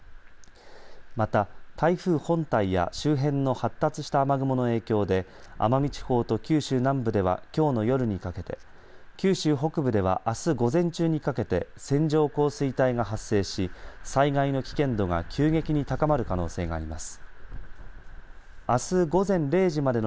また、台風本体や周辺の発達した雨雲の影響で奄美地方と九州南部ではきょうの夜にかけて九州北部ではあす午前中にかけて線状降水帯が発生し災害の危険度が急激に高まる可能性があります。